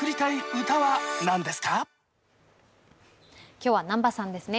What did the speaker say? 今日は南波さんですね。